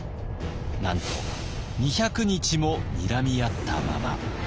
なんと２００日もにらみ合ったまま。